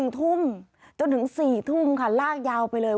๑ทุ่มจนถึง๔ทุ่มค่ะลากยาวไปเลย